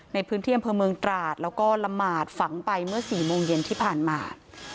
ในพื้นที่อำเภอเมืองตราดแล้วก็ละหมาดฝังไปเมื่อ๔โมงเย็นที่ผ่านมา